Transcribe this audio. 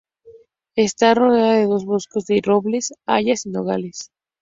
Está rodeada de bosques de robles, hayas y nogales.